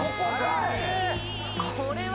これは。